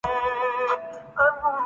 یے نمازی ہے